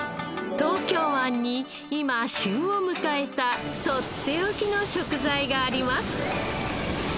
東京湾に今旬を迎えたとっておきの食材があります。